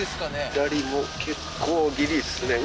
左も結構ギリですね